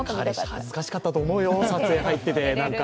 彼氏、恥ずかしかったと思うよ、撮影入ってて。